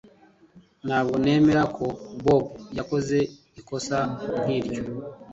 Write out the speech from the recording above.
Ntabwo nemera ko Bobo yakoze ikosa nkiryo